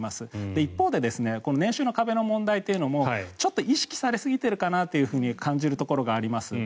一方で年収の壁の問題というのもちょっと意識されすぎているかなと感じているところがあります。